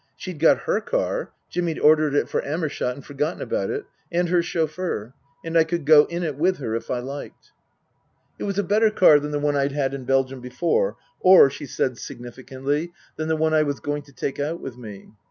She'd got her car Jimmy'd ordered it for Amer shott and forgotten about it and her chauffeur, and I could go in it with her if I liked. It was a better car than the one I'd had in Belgium before or, she said significantly, than the one I was going to take out with me.